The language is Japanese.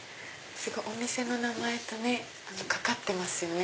お店の名前とかかってますよね。